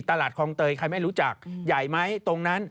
คลองเตยใครไม่รู้จักใหญ่ไหมตรงนั้น